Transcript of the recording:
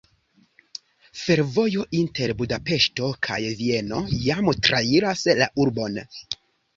Fervojo inter Budapeŝto kaj Vieno jam trairas la urbon.